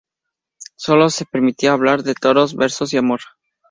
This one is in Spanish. Sólo se permitía hablar de toros, versos y amor.